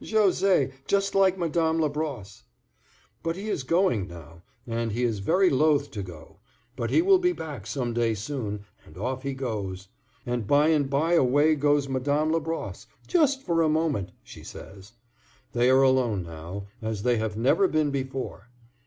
José, just like Madame Labrosse. But he is going now, and he is very loath to go; but he will be back some day soon, and off he goes. And by and by away goes Madame Labrosse, "just for a moment," she says. They are alone now as they have never been before.